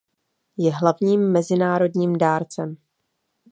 Je hlavním mezinárodním dárcem.